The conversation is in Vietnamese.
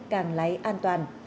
càng lái an toàn